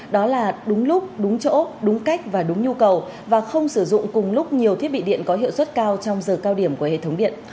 đó là đúng lúc đúng chỗ đúng cách và đúng nhu cầu và không sử dụng cùng lúc nhiều thiết bị điện có hiệu suất cao trong giờ cao điểm của hệ thống điện